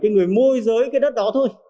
người môi giới cái đất đó thôi